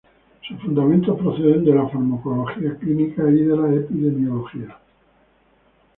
Sus fundamentos proceden de la farmacología clínica y de la epidemiología.